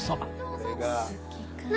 これが。何！？